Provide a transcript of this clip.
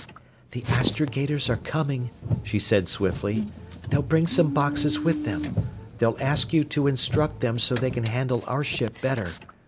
"The astrogators are coming," she said swiftly. "They'll bring some boxes with them. They'll ask you to instruct them so they can handle our ship better.